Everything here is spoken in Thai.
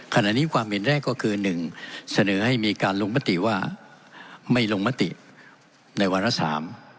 ขณะนี้ความเห็นแรกก็คือ๑เสนอให้มีการลงปฏิว่าไม่ลงปฏิในวันละ๓